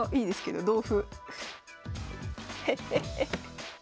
同歩？